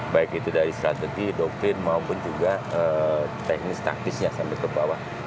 baik itu dari strategi doktrin maupun juga teknis taktisnya sampai ke bawah